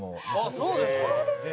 そうですか！